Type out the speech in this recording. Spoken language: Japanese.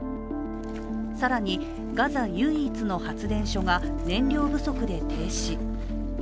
更に、ガザ唯一の発電所が燃料不足で停止。